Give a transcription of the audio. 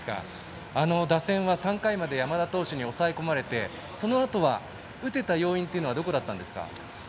打線は３回まで山田投手に抑え込まれてそのあと打てた要因はどこだったんですか。